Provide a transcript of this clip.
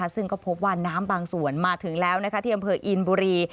ซึ่งก็พบว่าน้ำบางส่วนมาถึงแล้วที่อำเภออินบุรี